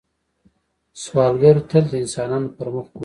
سوالګر تل د انسانانو پر مخ ګوري